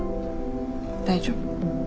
大丈夫。